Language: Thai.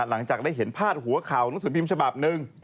หลังจากได้เห็นพาดหัวขาวนักศึกภิมฯฉบับนึง